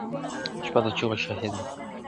شپه د چيغو شاهده وي,